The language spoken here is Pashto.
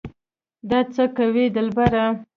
دا څه کوې دلبره